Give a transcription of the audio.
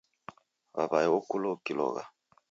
W'aw'aye okulwa ukilogha